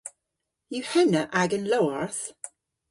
Yw henna agan lowarth?